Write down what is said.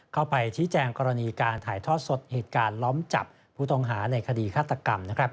เข้าไปชี้แจงกรณีการถ่ายทอดสดเหตุการณ์ล้อมจับผู้ต้องหาในคดีฆาตกรรม